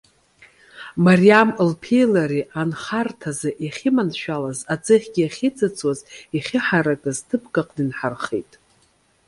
Мариам лԥеи, лареи анхарҭазы иахьманшәалаз, аӡыхьгьы ахьыҵыҵуаз, иахьыҳаракыз ҭыԥк аҟны инҳархеит.